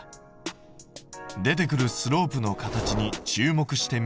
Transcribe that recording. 出てくるスロープの形に注目して見てみよう。